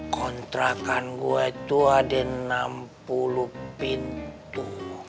kontrakan gue itu ada enam puluh pintu